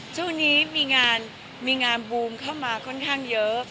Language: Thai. ช่วงนี้มีงานมีงานบูมเข้ามาค่อนข้างเยอะ